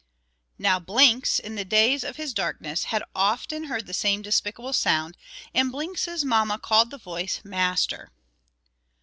Now Blinks, in the days of his darkness, had often heard the same despicable sound; and Blinks's mamma called the voice Master.